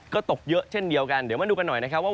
ก็ตกเยอะเช่นเดียวกันเดี๋ยวมาดูกันหน่อยนะครับว่า